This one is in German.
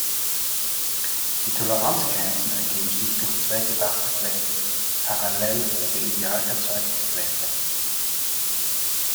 Die Toleranzgrenzen ergeben sich durch zwei gedachte Flächen, parallel zur ideal erzeugten Fläche.